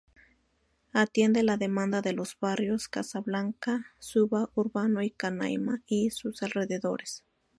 Atiende la demanda de los barrios Casablanca Suba Urbano, Canaima y sus alrededores.